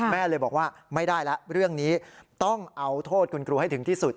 แม่เลยบอกว่าไม่ได้แล้วเรื่องนี้ต้องเอาโทษคุณครูให้ถึงที่สุด